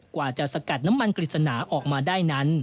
กว่าจะสกัดน้ำมันกฤษณาออกมาได้นั้น